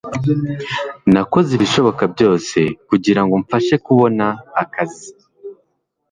Nakoze ibishoboka byose kugirango mfashe kubona akazi.